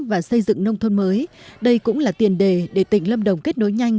và xây dựng nông thôn mới đây cũng là tiền đề để tỉnh lâm đồng kết nối nhanh